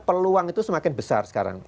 peluang itu semakin besar sekarang